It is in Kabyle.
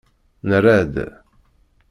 Nerra-d.